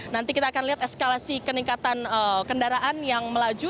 nanti kita akan lihat eskalasi keningkatan kendaraan yang melaju